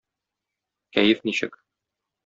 Кәеф ничек?